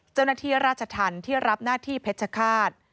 เจ้าหน้าที่ราชธรรมที่รับหน้าที่เพชรฆาต